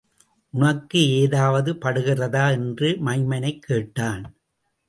உனக்கு ஏதாவது படுகிறதா? என்று மைமனைக் கேட்டான்.